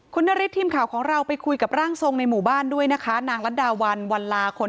คุณนฤทธิ์ข่าวของเราไปคุยกับร่างทรงในหมู่บ้านด้วยนะคะนางรัฐดาวันวันลาคน